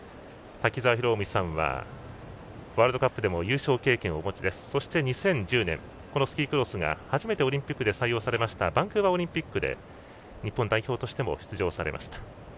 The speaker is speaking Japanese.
瀧澤宏臣さんはワールドカップでも優勝経験をお持ちで２０１０年スキークロスが初めてオリンピックで採用されたバンクーバーオリンピックで日本代表としても出場されました。